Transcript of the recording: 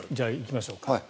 行きましょう。